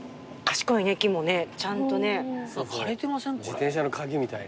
自転車の鍵みたい。